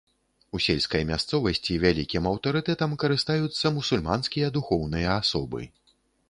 У сельскай мясцовасці вялікім аўтарытэтам карыстаюцца мусульманскія духоўныя асобы.